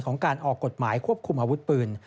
ของการออกกฎหมายควบคุมอาวุธปืน